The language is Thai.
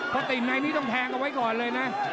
พอติดในนี้ต้องแทงเอาไว้ก่อนเลยนะ